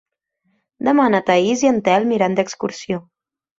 Demà na Thaís i en Telm iran d'excursió.